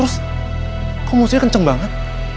terus kok musimnya kenceng banget